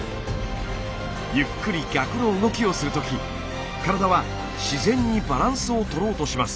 ゆっくり逆の動きをするとき体は自然にバランスを取ろうとします。